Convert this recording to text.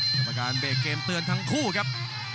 กรรมการเบรกเกมเตือนทั้งคู่ครับ